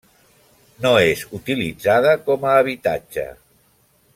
No és utilitzada com a habitatge.